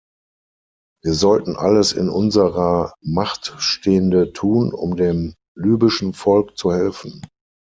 Wir sollten alles in unserer Macht Stehende tun, um dem libyschen Volk zu helfen.